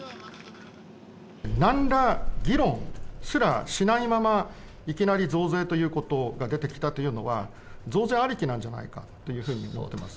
なんら議論すらしないまま、いきなり増税ということが出てきたというのは、増税ありきなんじゃないかというふうに思ってます。